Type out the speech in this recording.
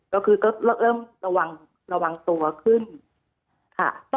ก็คือก็เริ่มระวังตัวขึ้นค่ะ